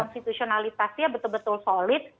konstitusionalitasnya betul betul solid